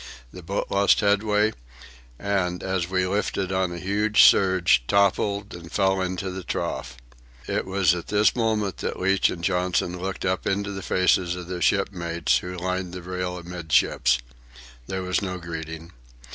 The boat lost headway, and, as we lifted on a huge surge, toppled and fell into the trough. It was at this moment that Leach and Johnson looked up into the faces of their shipmates, who lined the rail amidships. There was no greeting.